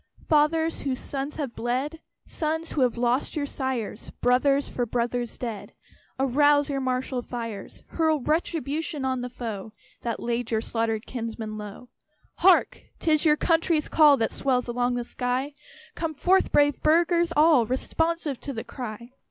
_ "Fathers, whose sons have bled! Sons, who have lost your sires, Brothers, for brothers dead! Arouse your martial fires. Hurl retribution on the foe That laid your slaughtered kinsmen low." Hark! 'tis your country's call That swells along the sky; Come forth, brave Burghers all, Responsive to the cry!